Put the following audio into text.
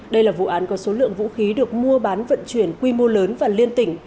đây là vụ án có số lượng vũ khí được mua bán vận chuyển quy mô lớn và liên tỉnh